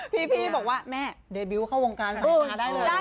พี่บอกว่าแม่เดบิวเข้าวงการสายตาได้เลย